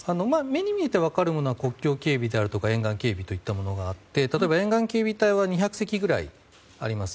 目に見えて分かることは国境警備だとか沿岸警備といったものがあって例えば、沿岸警備隊は２００隻ほどあります。